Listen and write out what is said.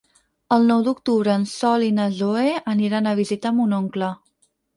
El nou d'octubre en Sol i na Zoè aniran a visitar mon oncle.